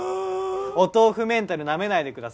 お豆腐メンタルなめないでください。